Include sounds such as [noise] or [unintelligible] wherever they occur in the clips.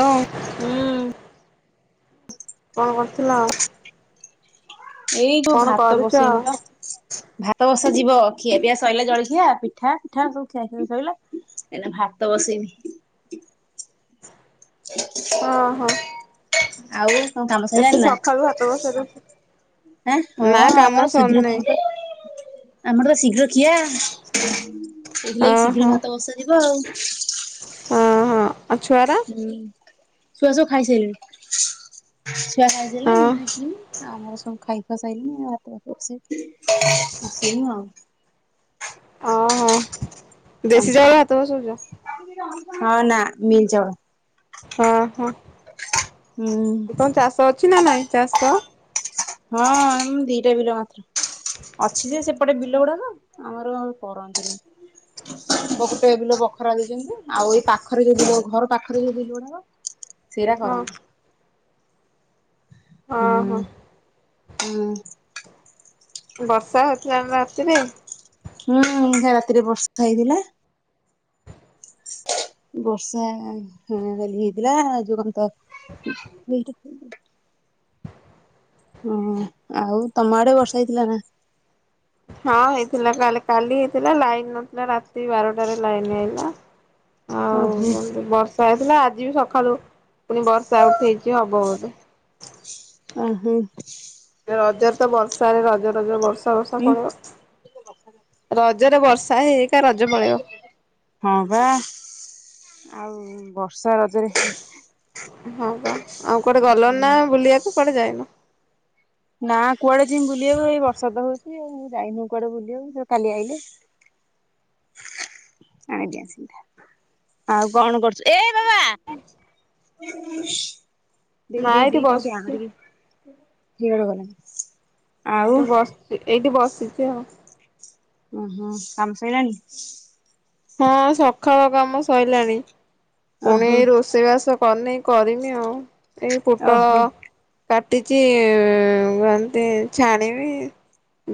Hello. ହୁଁ। କଣ କରୁଥିଲ? ଏଇ ଯୋଉ କଣ ଭାତ କରୁଛ ବସେଇନି ପା। ଭାତ ବସା ଯିବ ଖିଆ ପିଆ ସଇଲା ଜଳଖିଆ ପିଠା ପିଠା ସବୁ ଖିଆଖିଇ ସଇଲା। ଏଇନା ଭାତ ବସେଇମି। ହୁଁ। ହଁ ହଁ। ଆଉ କଣ କାମ ଏତେ ସଇଲାଣି ନା? ସକାଳୁ ହାତ ବସେଇ ଦଉଛ ଆଁ ହଁ ନା କାମ ଆମର ଶୀଘ୍ର ସରିନେଇ ଖାଆନ୍ତି। ଆମର ଶୀଘ୍ର ଖିଆ ସେଇଥିଲାଗି ଶୀଘ୍ର ଓହୋ ଭାତ ବସାଯିବ ଆଉ। ହଁ ହଁ ଆଉ ଛୁଆ ହୁଁ ଛୁଆ ସବୁ ଖାଇସାଇଲେନି। ଛୁଆ ଖାଇସାଇଲେନି ହଁ ମୁଁ ଖାଇସାଇଲିନି। ଆମ ଘରେ ସବୁ ଖାଇ ଖୁଆ ସାଇଲେନି ଆମ ଭାତ ଫାତ ବସେଇବି ଆଉ। ଅ ହଁ ଦେଶୀ ଚାମଚ ଚାଉଳ ଭାତ ବସଉଚ? ହଁ ନା ମିିଲ୍ ଚାଉଳ। ହଁ ହଁ ହୁଁ କଣ ଚାଷ ଅଛି ନା ନାଇଁ ଚାଷ? ହଁ ଆମ ଦିଟା ବିଲ ମାତ୍ର। ଅଛି ଯେ ସେପଟେ ବିଲ ଗୁଡାକ ଆମର କରନ୍ତିନି। ମୋ ଗୋଟେ ବିଲ ବଖରା ଦେଇଛନ୍ତି ଆଉ ଏଇ ପାଖରେ ଯୋଉ ବିଲ ଘର ପାଖରେ ଯୋଉ ବିଲ ଗୁଡା ସେଇଗୁଡ଼ା ହଁ କରନ୍ତି ହଁ ଉଁ ହଁ ହୁଁ। ବର୍ଷା ହଉଥିଲା ନା ରାତିରେ ହୁଁ ଉଁ ସେ ରାତିରେ ବର୍ଷା ହେଇଥିଲା। ବର୍ଷା ଆ- ଆ -ହ -ଅ ଖାଲି ହେଇଥିଲା ଆ ଯେ କନ୍ତ। [inaudible] ହୁଁ ଆଉ ତମ ଆଡେ ବର୍ଷା ହେଇଥିଲା ନା? ହଁ ହେଇଥିଲା କାଲି କାଲି ହେଇଥିଲା ଲାଇନ୍ ନଥିଲା ରାତି ବାରଟାରେ ଲାଇନ୍ ଆଇଲା। [unintelligible] ଆଉ ଓହୋ କଣ ତ ବର୍ଷା ହେଇଥିଲା ଆଜି ବି ସକାଳୁ ଫୁନି ବର୍ଷା ଉଠେଇଛି ହବ ବୋଧେ। ଆଁ ହୁଁ ରଜରେ ତ ବର୍ଷାରେ ରଜ ରଜ ବର୍ଷା ବର୍ଷା ହୁଁ। ପଳେଇବ। ରଜରେ ବର୍ଷା ହେକ୍ ହଁ ବା ଆଉ ବର୍ଷ ରଜ୍ ଉଁ ହଁ ବା ଆଉ କୁଆଡେ ଗଲନା ନା ବୁଲିବାକୁ କୁଆଡେ ଯାଇନ? ନାଁ କୁଆଡେ ଯିମ୍ ବୁଲିବାକୁ ଏଇ ବର୍ଷା ତ ହୋଉଚି ଆଉ, ମୁଁ ଯାଇନୁ କୁଆଡେ ବୁଲିବାକୁ ଯଉ କାଲି ଆଇଲେ। ଆଜ୍ଞା ସିଧା ଆଉ କଣ କରୁଚ? ଏ ବାବା। ଦେଇ ନା ଦେଇ ଏଇଠି ଦେଇ ତାକୁ ଟିକେ ଆଣ ବସିଛି ଟିକେ ହିଆଡେ ଗଲାଣି। ଆଉ ଏ ବସଚି ଏଇଠି ବସିଛି ଆଉ। ଉୁଁ ହୁଁ କାମ ଶଇଲାଣି? ହଁ ସଖାଳ କାମ ସଇଲାଣି। ପୁଣି ଓହୋ ଏଇ ରୋଷେଇବାସ କରିନି କରିମି ଆଉ, ଏଇ ପୋଟଳ ଓହୋ କାଟିଚି କେନ୍ତି ଛାଣିମି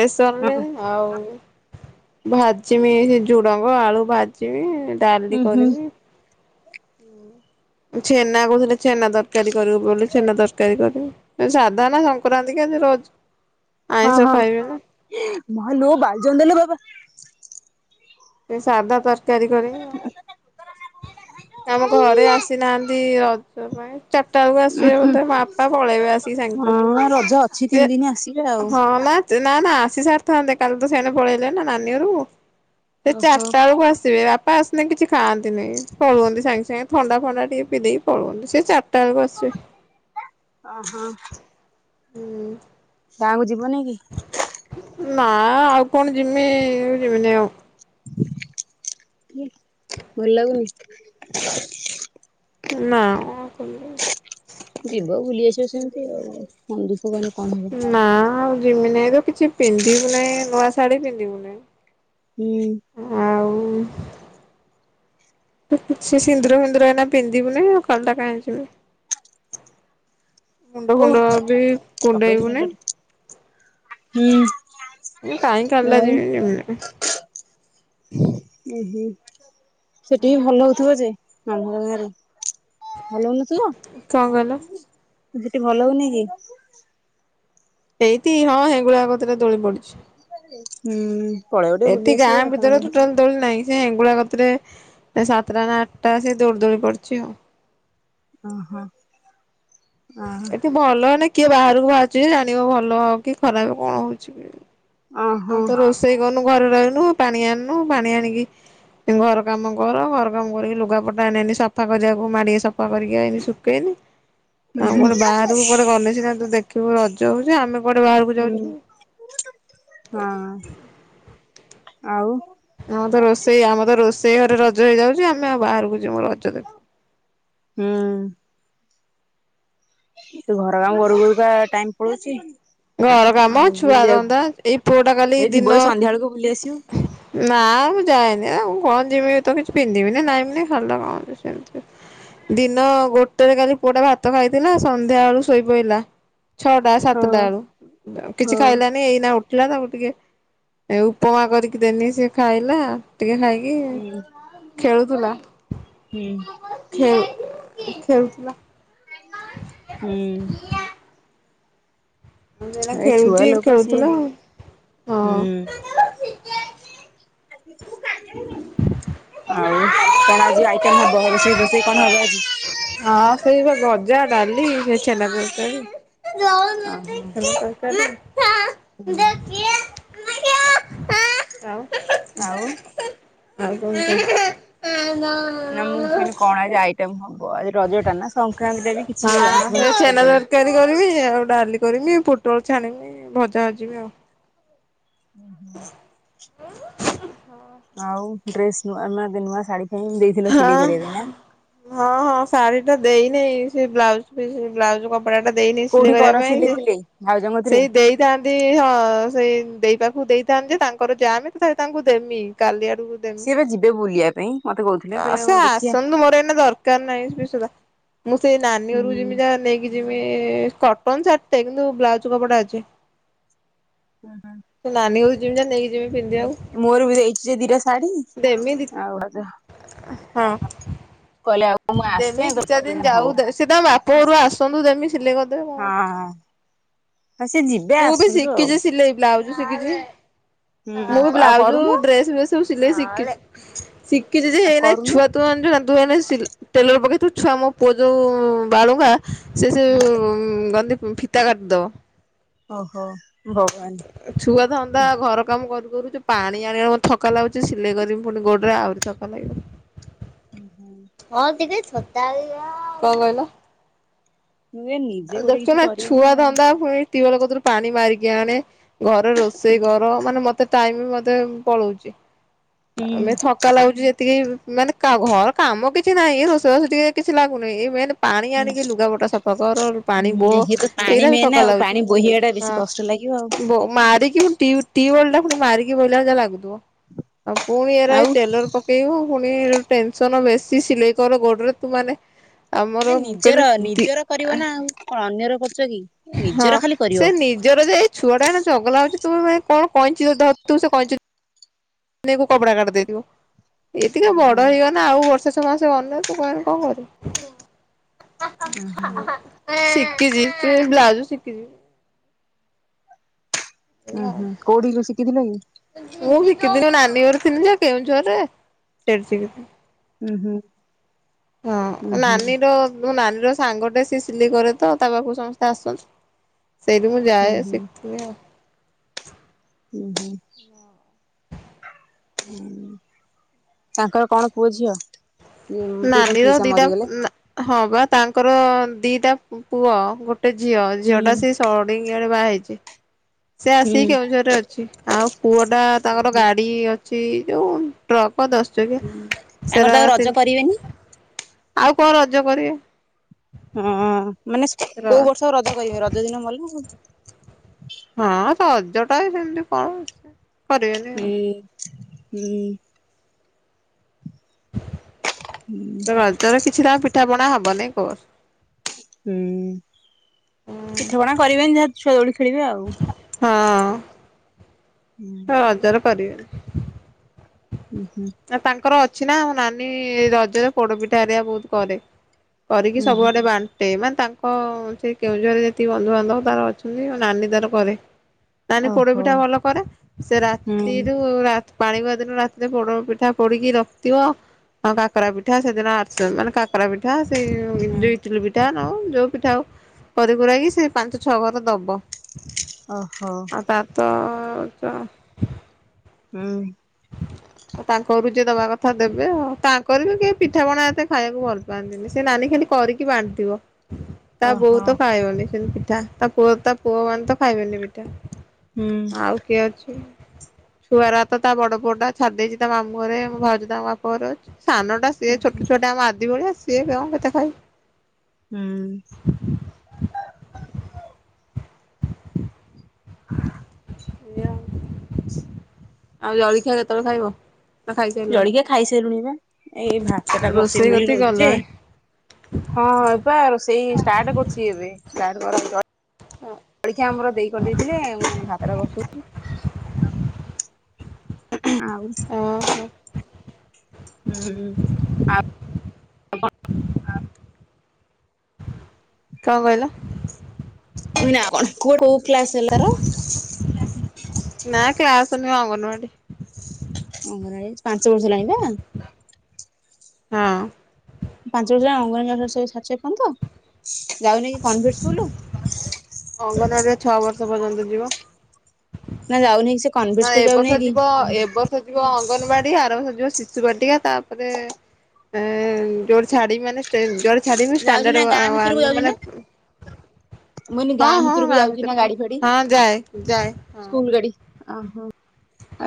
ବେସନ୍ ହଁ ରେ ଆଉ ଭାଜିମି ସେ ଝୁଡ଼ଙ୍ଗ, ଆଳୁ ଭାଜିମି ଉଁ ଡାଲି ହୁଁ କରିମି ଛେନା କହୁଥିଲେ ଛେନା ତରକାରୀ କରିବୁ ବୋଲି, ଛେନା ତରକାରୀ କରିବୁ। ସାଧ ନା ସଂକ୍ରାନ୍ତି କାଲି ରଜ ହଁ ହଁ ଏଁ ମାଲୋ ବାଲିଜନ୍ଦା ଲୋ ବାବା। ସେ ସାଧା ତରକାରୀ କରିବି। ଆଉ। ଭ। [unintelligible] ଆମ ଘରେ ଆସିନାହାନ୍ତି ରଜ ପାଇଁ ଚାରିଟା ବେଳକୁ ଉଁ ଆସିବେ ହୁଁ ବୋଧେ, ଟ ବାପା ପଳେଇବେ ଆସିକି ସାଙ୍ଗ ସାଙ୍ଗ। ହଁ ରଜ ଅଛି। ସେ ତିନି ଦିନ ଆସିବେ ଆଉ ହଁ ନା ନା ନା ଆସି ସାରିଥାନ୍ତେ କାଲି ତ ସେଣେ ପଳେଇଲେ ନା ନାନୀ ଘର କୁ। ସେ ଓହୋ ଚାରିଟା ବେଳକୁ ଆସିବେ ବା ପା ଆସନାେ କିଛି ଖାଆନ୍ତି ନାହିଁ। ପଳୁଅନ୍ତି ସାଙ୍ଗେ ସାଙ୍ଗେ ଥଣ୍ଡା ଫଣ୍ଡା ଟିକେ ପିଧେଇକି ପଳୁଅନ୍ତି। ସେ ଚାରଟା ବଳକୁ ଆସିବେ। ଓହୋ। ହୁଁ। ଗାଁକୁ ଯିବନି କି? ନା ଆଉ କଣ ଯିମି, ଯିମିନି ଆଉ। ଭଲ ଲାଗୁନି? ନା [inaudible] ଯିବ ବୁଲି ଆସିବ ସେମିତି ଆଉ କହିଲେ କଣ? ନା ଆଉ ଯିମି ନାହିଁ ତ କିଛି ପିନ୍ଧିବୁ ନାହିଁ ନୂଆ ଶାଢୀ ପିନ୍ଧିବି ନାହିଁ। ହୁଁ। ଆଉ। କିଛି ସିନ୍ଦୁର ଫିନ୍ଦୁର ଏଇନା ପିନ୍ଧିବୁନି ଆଉ ଖାଲିଟା କାହିଁ ଯିବି। ମୁଣ୍ଡ ଫୁଣ୍ଡ ବି କୁଣ୍ଡେଇବୁ ନାହିଁ। ହୁଁ। ମୁଁ କାଇଁ ଖାଲିଟା ଆଉ ଯିମି ଯିମିନି ନାଇଁ। ଓହୋ ସେଠିକି ଭଲ ହଉଥିବ ଯେ ଆ ଘର ଗାଁରେ। ଭଲ ହଉନଥିବ। କଣ କହିଲ? ସେଠି ଭଲ ହଉନି କି? ସେଇତିି ହଁ ହେଙ୍ଗୁଳା କତିରେ ଦୋଳି ପଡିଛି। ହୁଁ ପଳେଇ ଟିକେ ଏଠି ବୁଲି ଗାଁ ଆସିବ। ଭିତରେ ଟୋଟାଲ ଦୋଳି ନାହିଁ ସେ ହେଗୁଳା କତିରେ ସାତଟା ନା ଆଠଟା ସେ ଦୌଡ଼ି ଦୋଳି ପଡିଛି ଆଉ। ଓହୋ ହଁ। ଏଠି ଭଲ ନା କିଏ ବାହାରକୁ ବାହାରୁଛି ଯେ ଜାଣିବ ଭଲ ହବ କି ଖରାପ କଣ ହଉଛି? ଆଉ ଓହୋ ତ ରୋଷେଇ କରୁନୁ ଘରେ ରହନୁ ପାଣି ଆଣିନୁ ପାଣି ଆଣିକି। ଘର କାମ କର ଘର କାମ କରିକି ଲୁଗାପଟା ଆଣେନି ସଫା କରିବାକୁ ମାଡ଼ିକି ସଫା କରିକି ଆଇନି ଶୁଖେଇନି। [inaudible] ଆମେ କୁଆଡେ ବାହାରକୁ କୁଆଡେ ଗଲେ ସିନା ତୁ ଦେଖିବୁ ରଜ ହଉଛି ଆମେ କୁଆଡେ ବାହାରକୁ ହୁଁ ଯାଉଛୁ। ହଁ ଆଉ। ଆମର ତ ରୋଷେଇ ଆମର ତ ରୋଷେଇ ଘରେ ରଜ ହେଇଯାଉଛି ଆମେ ଆଉ ବାହାରକୁ ଯିବୁ ରଜ ଦେଖିବୁ। ହୁଁ। ତୁ ଘର କାମ କରୁ କରୁ ପା ଟାଇମ ପଳଉଛି। ଘର କାମ ଆଉ ଛୁଆ ବୁଲିବାକୁ ଧନ୍ଦା ଏଇ ପୁଅଟା କାଲି ଏଇ ଯିବ ଦିନ। ଏଇ ସନ୍ଧ୍ୟା ବେଳକୁ ବୁଲି ଆସିବ। ନା ମୁଁ ଯାଏନି ଆ ମୁଁ କଣ ଯିମି ତ କିଛି ପିନ୍ଧିବିିନି ନାଇବିନି ଖାଲିଟା କଣ ଯିମି ସେମିତି। ଦିନ ଗୋଟେରେ କାଲି ପୁଅଟା ଭାତ ଖାଇଥିଲା ସନ୍ଧ୍ୟା ବେଳୁ ଶୋଇ ପଇଲା। ଛଅଟା ସାତଟା ହଁ ବେଳୁ କିଛି ହଁ ଖାଇଲାନି ଏଇନା ଉ ଥିଲା ତାକୁ ଟିକେ ଉପମା କରିକି ଦେନି ସେ ଖାଇଲା ଟିକେ ଖାଇ। କି ହୁଁ ଖେଳୁଥିଲା? ହୁଁ। ଖେଳୁ ଖେଳୁଥିଲା। ହୁଁ। ମୁଁ ଏଇନା ଏ ଛୁଆ ଖେଳୁଛି ଲୋକ ସିଏ ଖେଳୁଥିଲା ଆଉ ହୁଁ। ହଁ। ଆଉ କଣ ଆଜି ଆଇଟ ହବ ରୋଷେଇ ଫୋଷେଇ। ରୋଷେଇ କଣ ହବ ଆଜି। ହଁ ସେଇ ବା ଭଜା ଡାଲି ସେଇ ଛେନା ତରକାରୀ। ଦଉନାହାନ୍ତି ଓହୋ କି ନା ଥା ଦେଖିଆ। [unintelligible] ଆଉ। [unintelligible] ନା ମୁଁ କହିଲି କଣ ଆଜି ଆଇଟମ୍ ହବ ଆଜି ରଜଟା ନା ସଂକ୍ରାତିଟା ବି କିଛି ହଁ ଆଇଁଷ ସେ ଫାଇଷ ଛେନା ହବନି। ତରକାରୀ କରିବି ଆଉ ଡାଲି କରିମି ପୋଟଳ ଛାଣିବି ଭଜା ଭାଜିବି ଆଉ। ଆଉ। ଡ୍ରେସ ନୂଆ ନୂଆ ଶାଢୀ କିଣିବି। ହଁ- ହଁ -ହଁ ଶାଢୀ ଟା ଦେଇନି ସେ ବ୍ଲାଉଜ୍ ପିସ୍ ବ୍ଲାଉଜ୍ କ କପଡ଼ାଟା ଦେଇନି ସିଲେଇ କରିବା ପାଇଁ ସେ ଆଉ ଯମୁ ସେଇ ଦେଇ ଥାନ୍ତି, ହଁ ସେଇ ଦେଇ ପାଖକୁ ଦେଇଥାନ୍ତି ଯେ ତାଙ୍କର ଯାମେ ତ ତାଙ୍କୁ ଦେମି କାଲି ଆଡୁ ଦେ ସିଏ ବା ଯିବେ ବୁଲିବା ପାଇଁ ମତେ କହୁଥିଲେ ଅଁ କହିଲେ ସେ ଆଉ ଦେଖିଆ ଆସନ୍ତୁ ମୋର ଏନା ଦର୍ କା ନାହିଁ ସେରା ସୁଧା ମୁଁ ସେ ନାନୀ ହୁଁ। ଘରକୁ ଯିମି ତା ନେଇକି ଯିମି -ଇ -ଇ -ଇ କଟନ୍ ସାର୍ଟଟେ କିନ୍ତୁ ବ୍ଲାଉଜ୍ କପଡା ଅଛି। ସେ ନାନୀ ଘରକୁ ଯିମି ଯା ନେଇକି ଯିମି ପିନ୍ଧିବାକୁ [unintelligible] ମୋର ବି ଦେଇଛି ଯେ ଦିଟା ଶାଢୀ ଦେମି ଦି ଆଉ ସେ ହଁ। ଆଉ ମୁଁ ଆସେ ଦେମି ତ ଦିଚାର୍ ଦିନ୍ ହଉ। ଯାଉ ଦେ ସି ତାଙ୍କ ବାପ ଘରୁ ଆସନ୍ତୁ ଦେମି ସିଲେଇ କ ହଁ ଅଁ ହଁ ସେ ଯିବେ ମୁଁ ବି ଆସନ୍ତୁ ଆଉ। ଶିଖିଛି ସିଲେଇ ବ୍ଲାଉଜ ଶିଖିଛି, ହୁଁ ମୁଁ ବି ଆଉ ବ୍ଲାଉଜ୍ କରୁନୁ। ଡ୍ରେସ୍ ବ୍ରେସ୍ ତୁ ସିଲେଇ ସିକିଚୁ ଶିକିଚୁ ଯେ ଆଉ ହେନାଇ କରୁନୁ ଛୁଆ ତୁ ଜନ୍ ଜା ତୁ ଏ ଟେଲର୍ ପକେଇତୁ ଛୁଆ ମୋ ପୁଅ ଯୋଉ ବାଳୁଙ୍ଗା। ସେ- ସେ ଗନ୍ଧି ଫିତା କାଟିଦବ। ଓହୋ। ଭଗ୍ ବାନ୍। ଛୁଆ ଧନ୍ଦା ଘର କାମ କରୁ କରୁ ପାଣି ଆଣିବା ମତେ ଥକା ଲାଗୁଛି ସିଲେଇ କରିବି ପୁଣି ଗୋଡରେ ଆହୁରି ଥକା ଲାଗିବ। ଓ ହୋ। ହଁ ଟିକେ ଛତା ଆଲ କଣ କହିଲ? ହୁଏନି। ଦେଖୁଛୁ ନା ଛୁଆ ଧନ୍ଦା ପୁଣି ଟିୱଲ କତିରୁ ପାଣି ମାରିକି ଆଣେ। ଘରେ ରୋଷେଇ କର ମାନେ ମତେ ଟାଇମ୍ ବି ମତେ ପଳଉଛି, ହୁଁ ଆମେ ଥ ଥକା ଲାଗୁଛି ଯେତିକି ମାନେ ଘର କାମ କିଛି ନାହିଁ, ଏ ରୋଷେଇ ବାଷ ଟିକେ କିଛି ଲାଗୁନି ଏ ମେନେ ପାଣି ହୁଁ ଆଣିକି ଲୁଗା ପଟା ସଫା। ହ ପାଣି ହୁଁ ବୋହ ଇଏ ତ ପାଣି ଏରା ବି ମେନ୍ ଥକା ଆଉ ଲାଗୁଚି ପାଣି ବୋହିବା ଟା ବେଶୀ ହଁ କଷ୍ଟ ଲାଗିବ ଆଉ। ବୋ ହୋଉ ମାରିିକ କି ଟିୟୁ -ଟିୱଲ୍ ଟାକୁ ମାରିିକି ବୋହିଲେ ଯା ଲାଗୁଥିବ। ଆଉ ପୁଣି ଏରା ଏ ଆଉ ଟେଲର୍ ପକେଇବୁ ପୁଣି ଟେନ୍ ସନ୍ ବେଶୀ ସିଲେଇ କର ଗୋଡରେ ତୁ ମାନେ ଆମର ନା ନିଜର କହିଲେ ତି ନିଜର କରିବ ନା ଆଉ କଣ ଅନ୍ୟର କରୁଛ କି ହଁ ନିଜର ଖାଲି ସେ କରିବ। ନିଜର ଯେ ଏଇ ଛୁଆ ଟା ଏରା ଚଗଲା ହୋଉଛି ତୁ କଣ କ କଇଁଚି ଧ ଥିବୁ ତୁ ସେ କହିଁଚି ଦେ ମୁ କପଡା କାଟ୍ ଦେବି ଏ ଟିକେ ଉଁ ହୁଁ ବଡ ହେଇଗନେ। ନା ଆଉ ବର୍ଷେ ଛ ମାସେ ଅନ୍ୟ ତୁ କହିଲୁ କଣ ଉଁ ହୁଁ କରିବୁ। ଶିଖିଛି, ବ୍ଲାଜୁ ଶିଖିଛି। ଉୁଁ -ହୁଁ କୋଉଠିକି ଶିଖିଥିଲ କି? ମୁଁ ଶିକିଥିନି ନାନୀ ଘର ଥିନି ଯେ କେଉଁଝର୍ ରେ ସେଠି ସି ହୁଁ- ହୁଁ। ଉଁ ହଁ ନାନୀର ମୋ ନାନୀ ର ସାଙ୍ଗଟେ ସେ ସିଲେଇ କରେ ତ ତା ପାଖକୁ ସମସ୍ତେ ଆସନ୍ତି। ସେଇଠି ମୁ ଉଁ ଯାଏଁ ହୁଁ ଶିଖେ ଆଉ। ହୁଁ -ହୁଁ। ହୁଁ ତାଙ୍କର କଣ ପୁଅ ଝିଅ? ତୁ ତାଙ୍କ ନାନୀର ପିଇସା ଦିଟା ମରିଗଲେ। ନା ହଁ ବା ତାଙ୍କର ଦିଟା ପୁ ପୁଅ ଗୋଟେ ଝିଅ, ହୁଁ ଝିଅ ଟା ସେ ସଡିଙ୍ଗିଆ ରେ ବାହା ହେଇଛି। ସେ ହୁଁ। ଆସିକି କେଉଁଝରରେ ଅଛି, ଆଉ ପୁଅ ଟା ତାଙ୍କର ଓହୋ। ଗାଡି ଅ ଛି, ଯୋଉ ଟ୍ରକ ଦଶ ହୁଁ ଚକିଆ ତାଙ୍କର ସେରା ତ ଆଉ ରଜ ଅତି। କରିବେନି। ଆଉ କଣ ରଜ କରିବେ? ହଁ ମାନେ ର କୋଉ ବର୍ଷ ରଜ କରିବେ, ରଜ ଦିନ ମଲାଉ। ହଁ ସଜଟା ଏ ସେମିତି କଣ? କରିବେନି ଆଉ ହୁଁ ହୁଁ। [unintelligible] ରଜରେ କିଛିଟା ପିଠା ପଣା ହବନି କୋର। ହୁଁ ପିଠାପଣା କରିବେନି ଯାହା ଛୁଆ ଦୋଳି ଖେଳିବେ ଆଉ। ହଁ। [unintelligible] ଫଜର କରିବେନି। ହୁଁ ହୁଁ। ନା ତାଙ୍କର ଅଛି ନା ନାନୀ ରଜରେ ପୋଡ ପିଠା ହେରିଆ ବହୁତ କରେ। କରିକି ଉଁ ସବୁଆଡେ ହୁଁ ବାନ୍ ଣ୍ଟେଇ ମାନ୍, ତାଙ୍କ ସେ କେଉଁଝରରେ ଯେତିକି ବନ୍ଧୁବାନ୍ଧବ ତାର ଅଛନ୍ତି ନାନୀ ତାର କରେ। ନାନୀ ଓହୋ ପୋଡପିଠା ଭଲ କରେ, ସେ ହୁଁ ରାତିରୁୁ ରାତ ପାଳିବା ଦିନ ରାତିରେ ପୋଡପି ପିଠା ପୋଡିକି ରଖିଥିବ। ଆଉ କାକରା ପିଠା ସେଦିନ ଆରିଶା ମାନେ କାକରା ପିଠା ସେଇ ହୁଁ [unintelligible] ପିଠା ହଉ ଯୋଉ ପିଠା ହଉ, କରି ପୁଳାଇ ସେ ପାଞ୍ଚ ଛଅ ଘର ଦବ। ଓହୋ। ଆଉ ତାରଥ ଚ ହୁଁ। ତାଙ୍କ ବି ଯିଏ ଦବା କଥା ଦେବେ ଆଉ, ତାଙ୍କର ବି କିଏ ପିଠା ପଣା ଏତେ ଖାଇବାକୁ ଭଲ ପାନ୍ତିନି। ସେ ନାନୀ ଖାଲି କରିକି ବାଣ୍ଟିବ। ତା ବୋହୂ ଓହୋ ତ ଖାଇବନି ସେମିତି ପିଠା, ତା ପୁଅ ତା ପୁଅ ମାନେ ତ ଖାଇବେନି ପିଠା। ହୁଁ ଆଉ କିଏ ଅଛି, ଛୁଆ ଗୁରାତ ତା ବଡ ପୁଅ ଟା ଛାଡିଦେଇଛି ତା ମାମୁଁ ଘରେ ମୋ ଭାଉଜ ତା ବାପଘରେ ଅଛି। ସାନ ଟା ସିଏ ହୁଁ ଛୋଟ ଛୁଆଟା ଆମ ଆଦି ଭଳିଆ ସିଏ କଣ ପିଠା ଖାଇବ। ହୁଁ। [unintelligible] ଆଉ ଜଳଖିଆ କେତେବେଳେ ଖାଇବ? ନା ଖାଇସାରିଲଣି? ଜଳିଖିଆ ଖାଇସାରିଲୁଣି ବା, ଏଇ ଭାତ ଟା ରୋଷେଇ ବସେଇବୁ ବୋଲି କତିକି ନଉଛି ଯେ ଗଲଣି ହଁ ବା ସେଇ ଷ୍ଟାର୍ଟ କରୁଛି ଏବେ, ତାର ଗରମ ଦହି ହଁ। ଜଳିଖିଆ ଆମର ଦେଇ କରିଦେଇଥିଲେ, ମୁଁ ଭାତଟା ବସଉଛି। ଆଉ ଓହୋ ହୁଁ। କଣ କହିଲ? ମୁଁ କହିଲି ଆଉ କଣ, କୁଅ କୋଉ କ୍ଲାସ ହେଲା ତାର? ନା କ୍ଲାସ୍ ନୁହେଁ ଅଙ୍ଗନବାଡି। ଅଙ୍ଗରାଇଜ୍ ପାଞ୍ଚ ବର୍ଷ ହେଲାଣି ବା? ହଁ। [unintelligible] ଅଙ୍ଗନବାଡ଼ିଆ ଛଅ ବର୍ଷ ପର୍ଯ୍ୟନ୍ତ ଯିବ। ନା ଯାଉନହିଁ ସେ କନଭେଟ ନା ସ୍କୁଲ ଯାଉନି ଏବସ କି? ଜିବ ଏବସଜିବ ଅଙ୍ଗନବାଡି ଆର ବସଜିବ ଶିଶୁ ବାଟିକା ତାପରେ ଏ ଜୋର ଛାଡି ମାନେ ଜୋର ଛାଡି ଯାଉଛି ମାନେ ନା ଆ ଗାଁ ଭିତରକୁ ୱାନ ଯାଉଛି ନା? ମୁଁ କହିନି ହଁ ଗାଁ ହଁ ଭିତରକୁ ଗାଁ ଯାଉଛି ଭିତରେ ନା ବି ଗାଡି ଫାଡି ହଁ ଯାଏ ଯାଏ ହଁ। ସ୍କୁଲ ଗାଡି ଓହୋ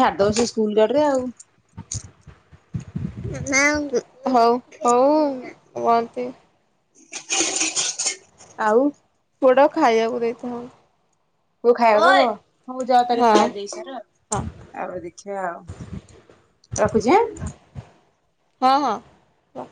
ଛାଡିଦ ବସ ସ୍କୁଲ ଗଡରେ ଆଉ। ହଁ ହଉ ହଉ ଭଲତି ଆଉ। ପୋଡ ଖାଇବାକୁ ଦେଇଥାଉ। କୋଉ ହଁ ଖାଇବା କ ହ ମୁଁ ଯା ତାରଲେ ଖାଇବା ଦେଇ ସାର। ଆପରେ ଦେଖିବା ଆଉ ରଖୁଛି ଆଁ। ହଁ ହଁ। ହଁ।